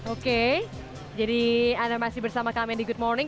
oke jadi anda masih bersama kami di good morning